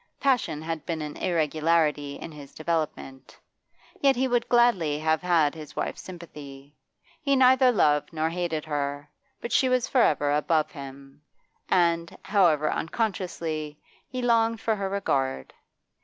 Passion had been an irregularity in his development. Yet he would gladly have had his wife's sympathy. He neither loved nor hated her, but she was for ever above him, and, however unconsciously, he longed for her regard.